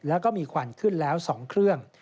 แล้วก็มีควันขึ้นแล้ว๒เครื่อง